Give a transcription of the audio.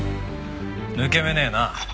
抜け目ねえな。